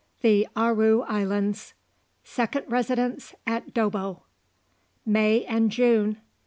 THE ARU ISLANDS. SECOND RESIDENCE AT DOBBO. (MAY AND JUNE 1857.)